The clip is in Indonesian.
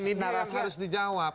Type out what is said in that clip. nah ini dia yang harus dijawab